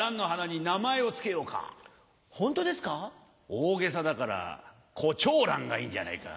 大げさだからコチョウランがいいんじゃないか。